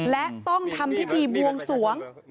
และต้องทำพิธีบวงสวง